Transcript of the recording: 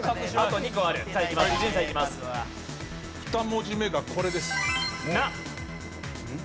２文字目がこれです。